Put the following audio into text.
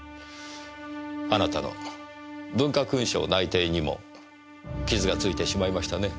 あなたの文化勲章内定にも傷がついてしまいましたね。